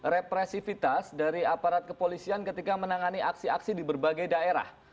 represifitas dari aparat kepolisian ketika menangani aksi aksi di berbagai daerah